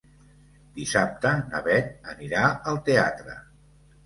Dissabte na Beth anirà al teatre.